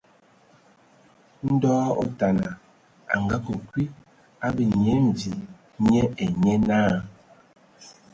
Ndɔ otana a ake kwi ábe Nyia Mvi nye ai nye náa.